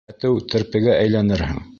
Әтеү, терпегә әйләнерһең.